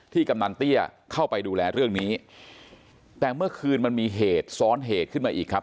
กำนันเตี้ยเข้าไปดูแลเรื่องนี้แต่เมื่อคืนมันมีเหตุซ้อนเหตุขึ้นมาอีกครับ